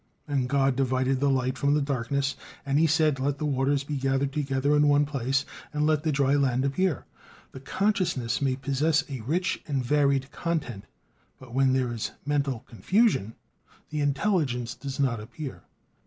"And God divided the light from the darkness. And he said: Let the waters be gathered together into one place, and let the dry land appear." The consciousness may possess a rich and varied content; but when there is mental confusion, the intelligence does not appear.